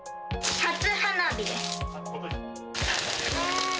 初花火です。